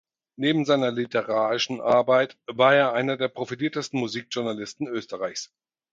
Neben seiner literarischen Arbeit war er einer der profiliertesten Musikjournalisten Österreichs.